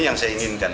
ini yang saya inginkan